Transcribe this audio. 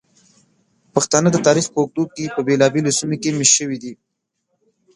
پښتانه د تاریخ په اوږدو کې په بېلابېلو سیمو کې میشت شوي دي.